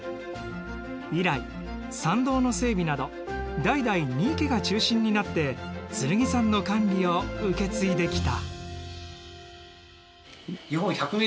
以来山道の整備など代々新居家が中心になって剣山の管理を受け継いできた。